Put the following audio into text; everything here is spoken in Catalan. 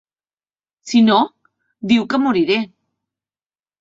Si no, diu que moriré.